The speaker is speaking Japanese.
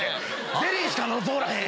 「ゼリーしか喉通らへん」